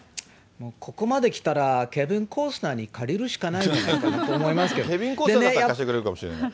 ここまできたらケビン・コスナーに借りるしかないのかなと思ケビン・コスナーだったら貸してくれるかもしれない。